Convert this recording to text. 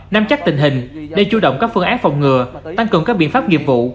năm chắc tình hình để chủ động các phương án phòng ngừa tăng cường các biện pháp nghiệp vụ